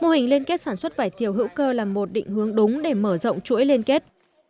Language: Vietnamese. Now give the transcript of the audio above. mô hình liên kết sản xuất vải thiều hữu cơ là một định hướng đúng để mở rộng chuỗi liên kết